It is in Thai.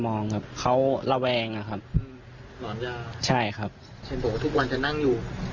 มองเขาลาแว่งครับใช่ครับทิ้งบกวันจะนั่งอยู่